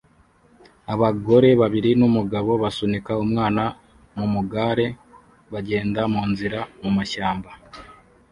Abagore babiri numugabo basunika umwana mumugare bagenda munzira mumashyamba